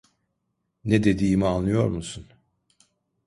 Ne dediğimi anlıyor musun?